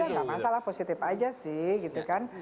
ya udah gak masalah positif aja sih gitu kan